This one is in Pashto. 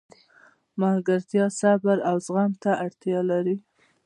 ملګرتیا صبر او زغم ته اړتیا لري.